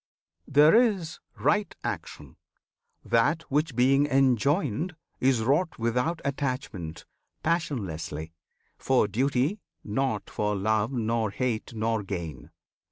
There is "right" Action: that which being enjoined Is wrought without attachment, passionlessly, For duty, not for love, nor hate, nor gain.